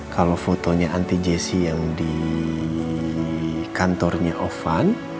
kalau fotonya anti jessy yang di kantornya ovan